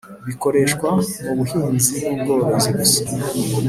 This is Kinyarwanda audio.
bikoreshwa mu buhinzi n ubworozi gusa